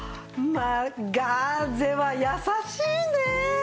まあガーゼは優しいねえ！